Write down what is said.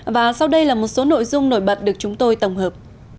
và sau đây là một số nội dung nổi bật được chúng tôi tổng hợp